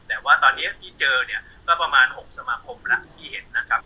แต่ว่าตอนนี้ที่เจอเนี่ยก็ประมาณ๖สมาคมแล้วที่เห็นนะครับ